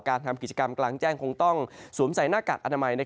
ทำกิจกรรมกลางแจ้งคงต้องสวมใส่หน้ากากอนามัย